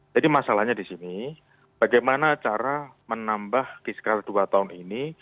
jadi masalahnya di sini bagaimana cara menambah kisah dua tahun ini